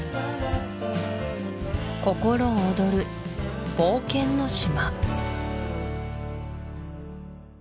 心躍る冒険の島